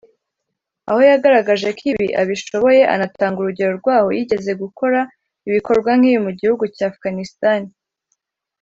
aho yagaragaje ko ibi abishoboye anatanga urugero rwaho yigeze gukora ibikorwa nk’ibi mu gihugu cy’Afghanistan